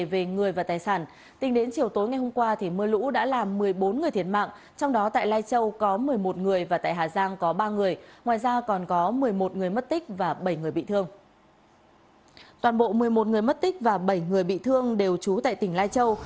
một người mất tích và bảy người bị thương đều trú tại tỉnh lai châu